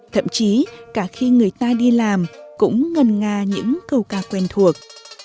thậm chí cả khi người ta đi làm cũng ngần nga những câu ca quen thuộc